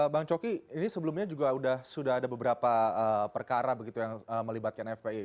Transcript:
bang coki ini sebelumnya juga sudah ada beberapa perkara begitu yang melibatkan fpi